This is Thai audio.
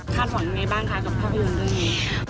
คาดหวังยังไงบ้างค่ะกับพระอุณหญิง